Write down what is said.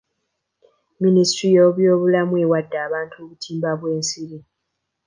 Minisitule y'ebyobulamu ewadde abantu obutimba bw'ensiri.